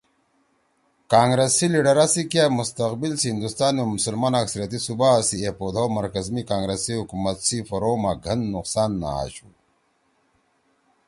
کانگرس سی لیڈرا سی کیا مستقبل سی ہندوستان می مسلمان اکثریتی صوبا سی ایپود ہؤ مرکز می کانگرس سی حکومت سی پھورُو ما گھن نقصان نہ آشُو۔